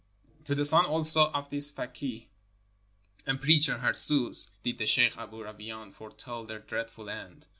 To the son also of this fakeeh and preacher Harzooz did the sheikh Aboo Rawain foretell their dreadful end.